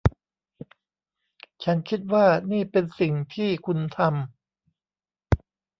ฉันคิดว่านี่เป็นสิ่งที่คุณทำ